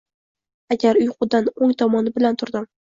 Аgar uyqudan oʻng tomon bilan turdim.